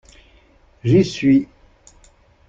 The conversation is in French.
J'y suis